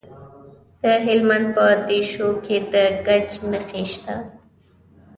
د هلمند په دیشو کې د ګچ نښې شته.